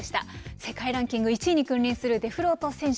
世界ランキング１位に君臨するデフロート選手。